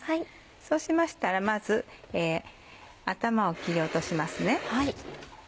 そうしましたらまず頭を切り落とします。